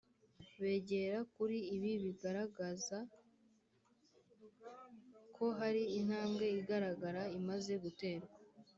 bagera kuri Ibi biragaragaza ko hari intambwe igaragara imaze guterwa